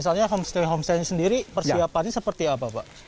contohnya apa pak misalnya homestay homestaynya sendiri persiapannya seperti apa pak